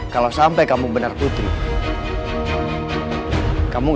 mau sampai kapan gak mau bohong